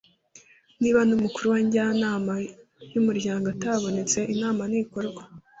Niba n’Umukuru wa Njyanama y’Umuryango atabonetse inama ntikorwa